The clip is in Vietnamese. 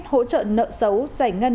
hỗ trợ nợ xấu giải ngân